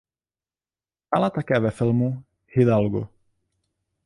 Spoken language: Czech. Hrála také ve filmu "Hidalgo".